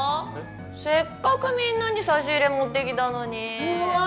せっかくみんなに差し入れ持ってきたのにうわ！